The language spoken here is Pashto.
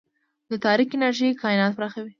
د تاریک انرژي کائنات پراخوي.